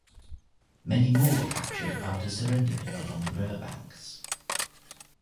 Many more were captured after surrendering along the river banks.